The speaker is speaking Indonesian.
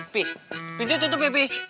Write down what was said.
pi pintunya tutup ya pi